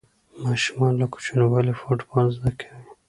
ماشومان له کوچنیوالي فوټبال زده کوي.